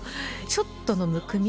ちょっとのむくみ